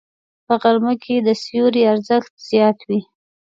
په غرمه کې د سیوري ارزښت زیات وي